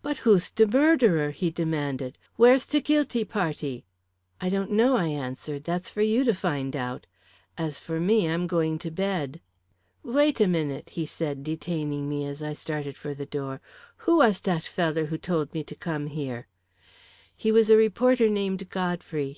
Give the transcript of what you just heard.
"But who's t'e murderer?" he demanded. "Where's t'e guilty party?" "I don't know," I answered. "That's for you to find out. As for me, I'm going to bed." "Wait a minute," he said, detaining me, as I started for the door. "Who was t'at feller who told me to come here?" "He was a reporter named Godfrey.